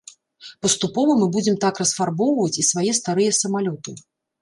Паступова мы будзем так расфарбоўваць і свае старыя самалёты.